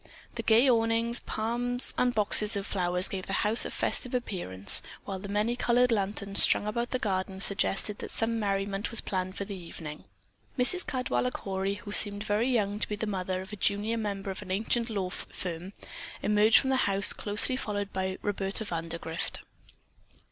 The gay awnings, palms and boxes of flowers gave the house a festive appearance, while the many colored lanterns strung about the garden suggested that some merriment was planned for the evening. Mrs. Caldwaller Cory, who seemed very young to be the mother of a junior member of an ancient law firm, emerged from the house closely followed by Roberta Vandergrift.